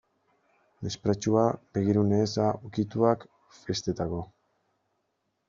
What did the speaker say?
Mespretxua, begirune eza, ukituak, festetako.